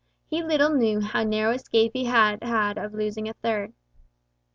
He little knew how narrow an escape he had had of losing a third!